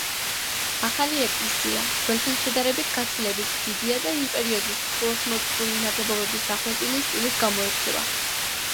ახალი ეკლესია, ძველთან შედარებით, გაცილებით დიდია და იმ პერიოდის ხუროთმოძღვრული ნაგებობების დახვეწილი სტილით გამოირჩევა.